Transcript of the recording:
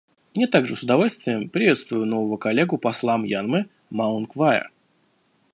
Я также с удовольствием приветствую нового коллегу посла Мьянмы Маунг Вая.